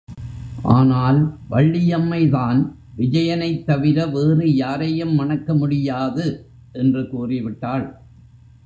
ஆனால் வள்ளியம்மை தான் விஜயனைத் தவிர வேறு யாரையும் மணக்க முடியாது! என்று கூறி விட்டாள்.